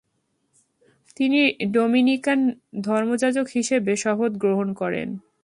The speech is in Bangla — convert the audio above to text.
তিনি ডোমিনিকান ধর্মযাজক হিসেবে শপথ গ্রহণ করেন।